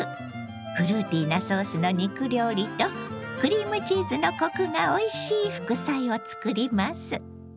フルーティーなソースの肉料理とクリームチーズのコクがおいしい副菜を作ります。